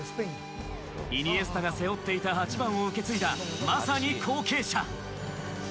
イニエスタが背負っていた８番を受け継いだまさに後継者。